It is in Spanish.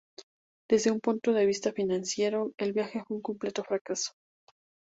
Desde un punto de vista financiero, el viaje fue un completo fracaso.